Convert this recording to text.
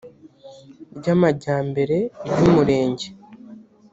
ry amajyambere ry umurenge